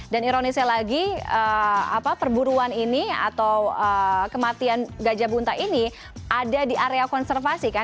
dan ironisnya lagi perburuan ini atau kematian gajah bunta ini ada di area konservasi kan